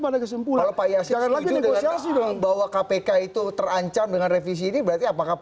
pada kesimpulan payasin lagi negosiasi bahwa kpk itu terancam dengan revisi ini berarti apakah